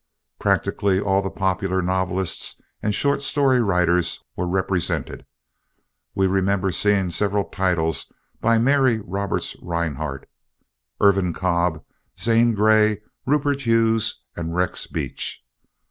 Practically all the popular novelists and short story writers were represented. We remember seeing several titles by Mary Roberts Rinehart, Irvin Cobb, Zane Grey, Rupert Hughes, and Rex Beach.